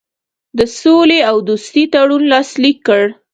د سولي او دوستي تړون لاسلیک کړ.